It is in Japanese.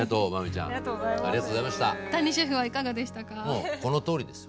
もうこのとおりです